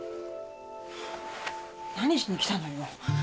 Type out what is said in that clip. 何しに来たのよ。